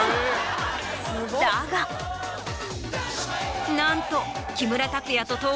だがなんと。